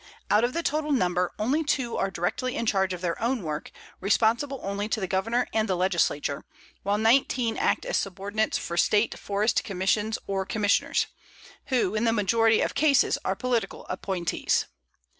Out of the total number, only 2 are directly in charge of their own work, responsible only to the Governor and the Legislature, while 19 act as subordinates for State forest commissions or commissioners, who in the majority of cases are political appointees.